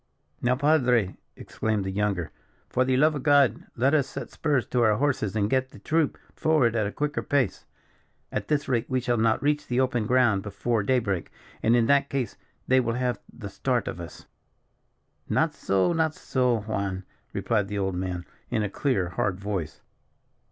"Now, Padre," exclaimed the younger, "for the love of God, let us set spurs to our horses and get the troop forward at a quicker pace. At this rate, we shall not reach the open ground before day break; and, in that case, they will have the start of us." "Not so, not so, Juan," replied the old man, in a clear, hard voice.